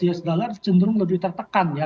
us dollar cenderung lebih tertekan ya